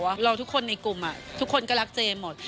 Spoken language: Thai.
เราทุกคนในกลุ่มทุกคนก็รักเจหมด